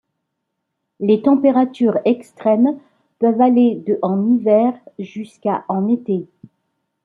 Les températures extrêmes peuvent aller de en hiver jusqu'à en été.